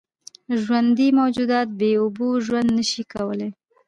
ژوندي موجودات بېاوبو ژوند نشي کولی.